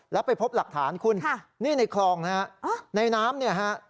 แล้วไปพบหลักฐานคุณนี่ในคลองนะฮะในน้ำเนี่ยฮะ